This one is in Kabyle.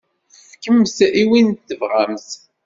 Fkemt-t i win i tebɣamt.